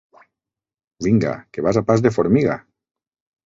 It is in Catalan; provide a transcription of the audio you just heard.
Vinga, que vas a pas de formiga!